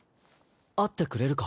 会ってくれるか？